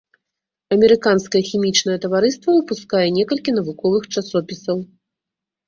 Амерыканскае хімічнае таварыства выпускае некалькі навуковых часопісаў.